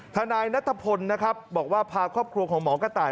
ทนายนัทพลนะครับบอกว่าพาครอบครัวของหมอกระต่าย